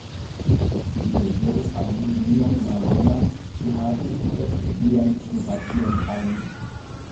Li deziris al mi nenion malbonan; li havis eĉ ian simpation al mi.